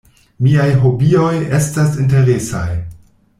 Miaj hobioj estas interesaj.